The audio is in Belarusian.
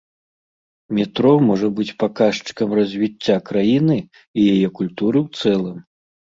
Метро можа быць паказчыкам развіцця краіны і яе культуры ў цэлым.